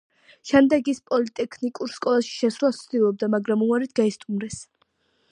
შემდეგ ის პოლიტექნიკურ სკოლაში შესვლას ცდილობდა, მაგრამ უარით გაისტუმრეს.